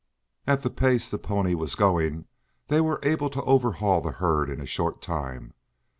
At the pace the pony was going they were able to overhaul the herd in a short time.